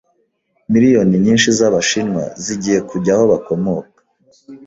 Miliyoni nyinshi z'Abashinwa zigiye kujya aho bakomoka